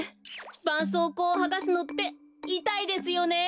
ばんそうこうをはがすのっていたいですよね。